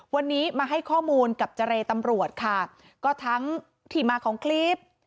วันนี้มาให้ข้อมูลกับเจรตำรวจค่ะก็ทั้งที่มาของคลิป